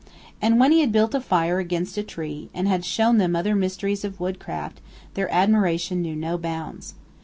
And when he had built a fire against a tree, and had shown them other mysteries of woodcraft, their admiration knew no bounds.